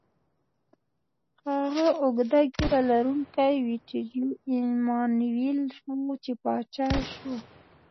هغه اوږده ږیره لرونکی ویټوریو ایمانویل و، چې پاچا شو.